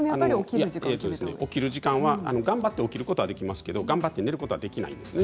起きる時間は頑張って起きることはできますけど頑張って寝ることはできないですね